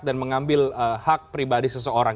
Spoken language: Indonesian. dan mengambil hak pribadi seseorang